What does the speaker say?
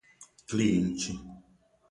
cliente